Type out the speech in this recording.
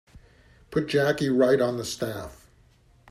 Put Jackie right on the staff.